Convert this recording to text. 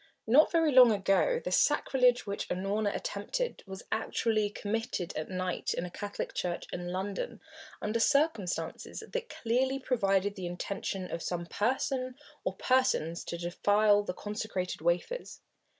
Not very long ago the sacrilege which Unorna attempted was actually committed at night in a Catholic church in London, under circumstances that clearly proved the intention of some person or persons to defile the consecrated wafers.